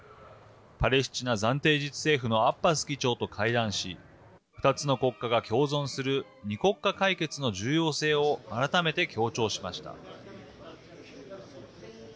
パレスチナ暫定自治政府のアッバス議長と会談し２つの国家が共存する二国家解決の重要性を改めて強調しました。